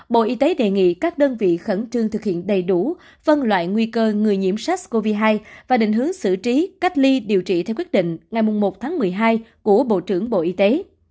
bộ y tế đề nghị các đơn vị khẩn trương thực hiện đầy đủ phân loại nguy cơ người nhiễm sars cov hai và định hướng xử trí cách ly điều trị theo quyết định ngày một tháng một mươi hai của bộ trưởng bộ y tế